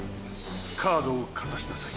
カードをかざしなさい。